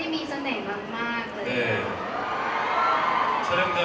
วุนิคาอย่างกว่า